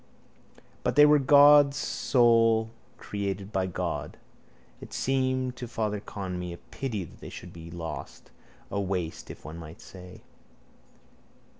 But they were God's souls, created by God. It seemed to Father Conmee a pity that they should all be lost, a waste, if one might say.